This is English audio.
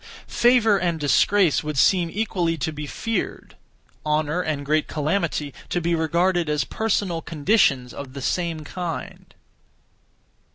Favour and disgrace would seem equally to be feared; honour and great calamity, to be regarded as personal conditions (of the same kind).